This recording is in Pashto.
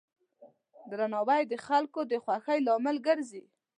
درناوی د خلکو د خوښۍ لامل ګرځي.